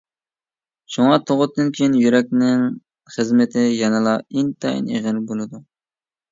شۇڭا تۇغۇتتىن كېيىن يۈرەكنىڭ خىزمىتى يەنىلا ئىنتايىن ئېغىر بولىدۇ.